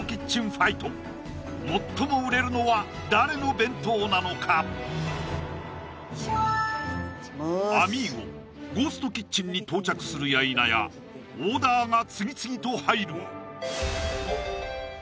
ファイト最も売れるのは誰の弁当なのかアミーゴゴーストキッチンに到着するやいなやオーダーが次々と入る！